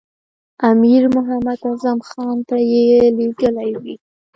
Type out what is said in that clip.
امیر محمد اعظم خان ته یې لېږلی وي.